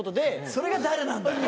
それが誰なんだよ？